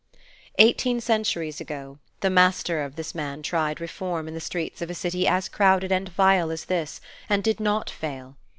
Eighteen centuries ago, the Master of this man tried reform in the streets of a city as crowded and vile as this, and did not fail.